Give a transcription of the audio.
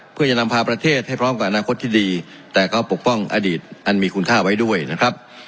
เพื่อจะนำพาประเทศให้พร้อมกับอนาคตที่ดีแต่เขาปกป้องอดีตอันมีคุณค่าไว้ด้วยนะครับ